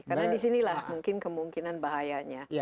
karena disinilah mungkin kemungkinan bahayanya